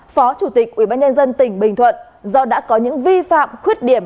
phó chủ tịch ủy ban nhân dân tỉnh bình thuận do đã có những vi phạm khuyết điểm